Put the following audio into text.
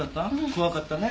怖かったね。